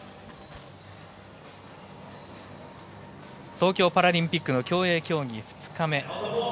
東京パラリンピックの競泳競技２日目。